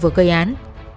và truy tìm đối tượng